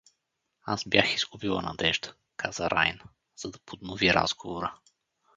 Аз бях изгубила надежда… — каза Райна, за да поднови разговора.